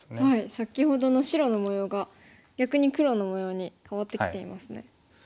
先ほどの白の模様が逆に黒の模様に変わってきていますね。